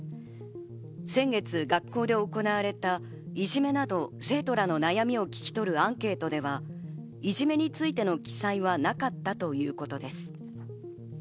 先月、学校で行われたいじめなど生徒らの悩みを聞き取るアンケートでは、いじめについての記載はなかったということです。